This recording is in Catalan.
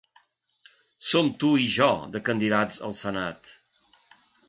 Som tu i jo de candidats al Senat.